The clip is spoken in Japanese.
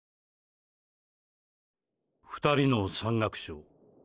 「２人」の「山岳賞」ーー。